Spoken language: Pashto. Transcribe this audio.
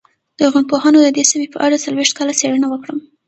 لرغونپوهانو د دې سیمې په اړه څلوېښت کاله څېړنه وکړه